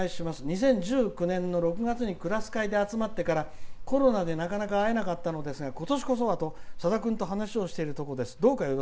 ２０１９年の６月にクラス会で集まってからコロナ禍でなかなか集まれなかったのですがことしこそはと、さだ君と話をしているところです」。